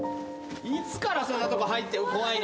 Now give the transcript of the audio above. いつからそんなとこ入って怖いな。